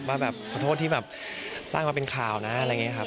ว่าแบบขอโทษที่แบบตั้งมาเป็นข่าวนะอะไรอย่างนี้ครับ